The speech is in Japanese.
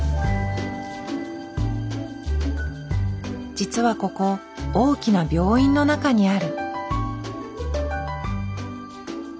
実はここ大きな病院の中にある。